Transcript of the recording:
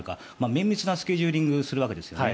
綿密なスケジューリングをするわけですね。